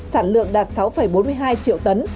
sản lượng đạt sáu bốn mươi hai triệu tấn